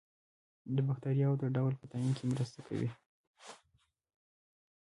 د باکتریاوو د ډول په تعین کې مرسته کوي.